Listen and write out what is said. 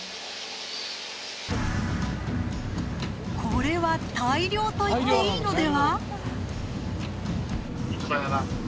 これは大漁と言っていいのでは？